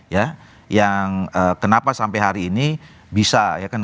ya yang kenapa sampai hari ini bisa ya kan